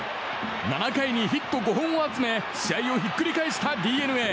７回にヒット５本を集め試合をひっくり返したＤｅＮＡ。